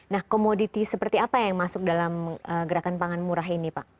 nah komoditi seperti apa yang masuk dalam gerakan pangan murah ini pak